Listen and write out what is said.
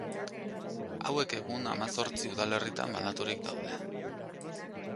Hauek egun hamazortzi udalerritan banaturik daude.